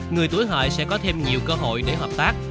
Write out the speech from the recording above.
người tuổi hội sẽ có thêm nhiều cơ hội để hợp tác